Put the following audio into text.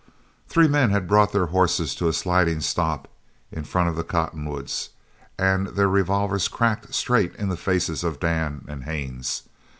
Three men had brought their horses to a sliding stop in front of the cottonwoods and their revolvers cracked straight in the faces of Dan and Haines.